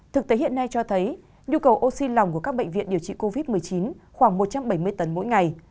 thực tế hiện nay cho thấy nhu cầu oxy lòng của các bệnh viện điều trị covid một mươi chín khoảng một trăm bảy mươi tấn mỗi ngày